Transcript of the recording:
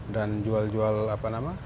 dan jual jual apa nama